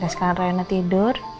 sekarang rayana tidur